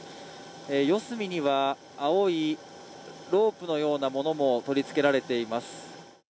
四隅には青いロープのようなものも取り付けられています。